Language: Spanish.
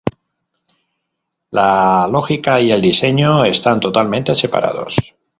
La lógica y el diseño están totalmente separados.